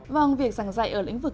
vòng việc giảng dạy ở lĩnh vực